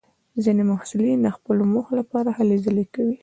ځینې محصلین د خپلو موخو لپاره هلې ځلې کوي.